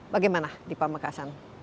bagaimana di pamekasan